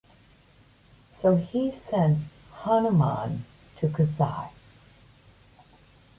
So he sent Hanuman to Kasi.